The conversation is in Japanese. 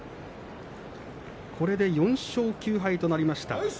これで４勝９敗となりました。